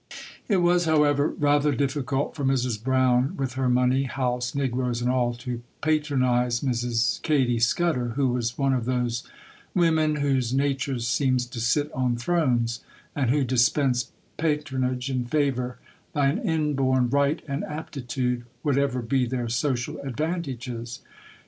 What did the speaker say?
It was, however, rather difficult for Mrs. Brown, with her money, house, negroes, and all, to patronise Mrs. Katy Scudder, who was one of those women whose natures seems to sit on thrones, and who dispense patronage and favour by an inborn right and aptitude, whatever be their social advantages.